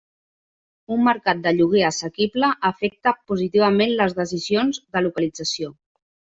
Un mercat de lloguer assequible afecta positivament les decisions de localització.